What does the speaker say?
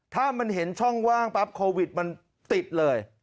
ถ้ามันเห็นช่องว่างปั๊บโควิดมันติดเลย